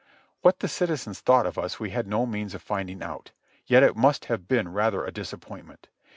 What the citizens thought of us we had no means of finding out; yet it must have been rather a disappointment.